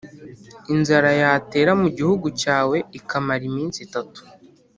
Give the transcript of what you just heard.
inzara yatera mu gihugu cyawe ikamara iminsi itatu